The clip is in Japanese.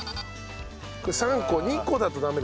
これ３個２個だとダメですか？